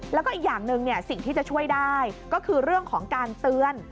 แล้วก็อีกอย่างหนึ่งสิ่งที่จะช่วยได้ก็คือเรื่องของการเตือน